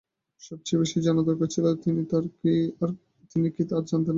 সবচেয়ে বেশি জানা দরকার ছিল যার, তিনি কি আর জানতেন না?